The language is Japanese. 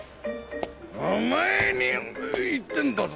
お前に言ってんだぞ。